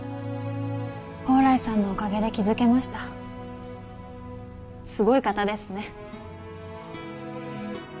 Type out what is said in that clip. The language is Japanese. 宝来さんのおかげで気づけましたすごい方ですね